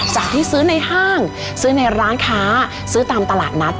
จากที่ซื้อในห้างซื้อในร้านค้าซื้อตามตลาดนัด